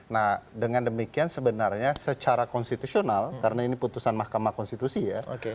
nah dengan demikian sebenarnya secara konstitusional karena ini putusan mahkamah konstitusi ya